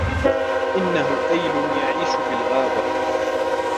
إنه أيل يعيش بالغابة